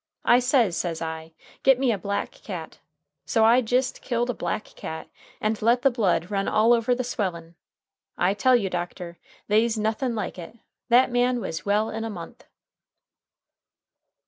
I says, says I, git me a black cat. So I jist killed a black cat, and let the blood run all over the swellin'. I tell you, doctor, they's nothin' like it. That man was well in a month."